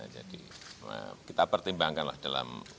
jadi kita pertimbangkanlah dalam sehari ini